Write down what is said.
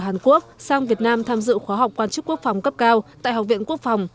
hàn quốc sang việt nam tham dự khóa học quan chức quốc phòng cấp cao tại học viện quốc phòng